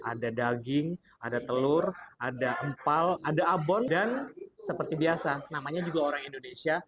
ada daging ada telur ada empal ada abon dan seperti biasa namanya juga orang indonesia